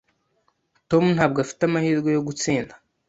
Tom ntabwo afite amahirwe yo gutsinda.